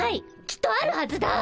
きっとあるはずだ。